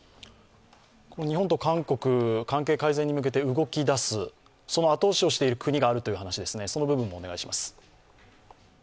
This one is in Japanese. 日本と韓国、関係改善に向けて動き出す、その後押しをしている国があるという話ですね。